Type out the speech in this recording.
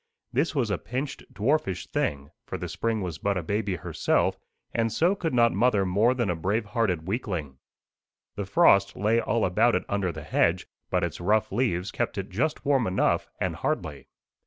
This was a pinched, dwarfish thing, for the spring was but a baby herself, and so could not mother more than a brave hearted weakling. The frost lay all about it under the hedge, but its rough leaves kept it just warm enough, and hardly.